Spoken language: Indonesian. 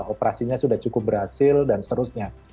operasinya sudah cukup berhasil dan seterusnya